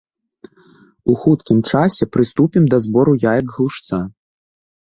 У хуткім часе прыступім да збору яек глушца.